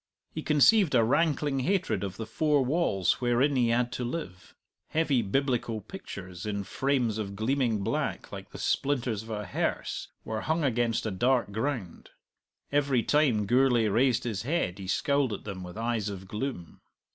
He conceived a rankling hatred of the four walls wherein he had to live. Heavy Biblical pictures, in frames of gleaming black like the splinters of a hearse, were hung against a dark ground. Every time Gourlay raised his head he scowled at them with eyes of gloom.